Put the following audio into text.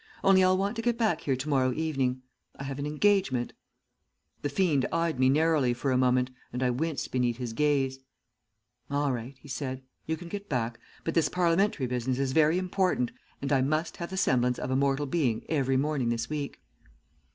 'Only I'll want to get back here to morrow evening. I have an engagement.' "The fiend eyed me narrowly for a moment, and I winced beneath his gaze. "'All right,' he said, 'you can get back, but this Parliamentary business is very important, and I must have the semblance of a mortal being every morning this week.'